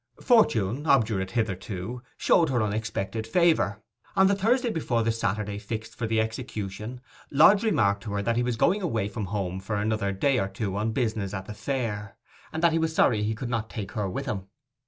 Fortune, obdurate hitherto, showed her unexpected favour. On the Thursday before the Saturday fixed for the execution, Lodge remarked to her that he was going away from home for another day or two on business at a fair, and that he was sorry he could not take her with him.